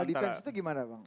kalau defense itu gimana bang